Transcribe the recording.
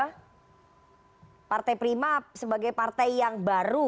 karena partai prima sebagai partai yang baru